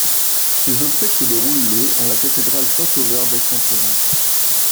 Ses obsèques se déroulent le en la Cathédrale Saint-Sauveur d'Aix-en-Provence.